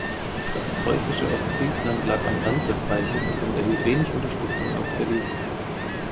Das preußische Ostfriesland lag am Rand des Reiches und erhielt wenig Unterstützung aus Berlin.